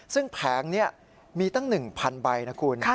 ซึ่งแผงนี้มีตั้ง๑๐๐ใบนะคุณ